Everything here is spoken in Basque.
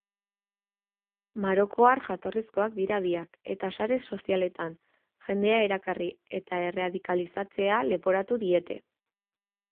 Marokoar jatorrizkoak dira biak eta sare sozialetan jendea erakarri eta erradikalizatzea leporatu diete.